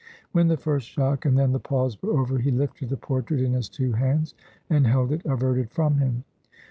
When, the first shock, and then the pause were over, he lifted the portrait in his two hands, and held it averted from him.